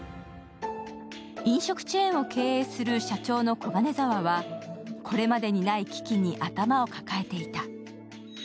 飲食チェーンを経営する社長の小金澤は、これまでにない危機に頭を抱えていた。